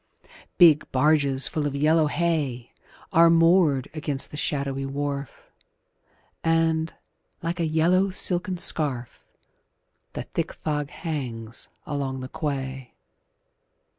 Big barges full of yellow hay Are moored against the shadowy wharf, And, like a yellow silken scarf, The thick fog hangs along the quay.